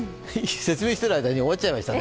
説明してる間に終わっちゃいましたね。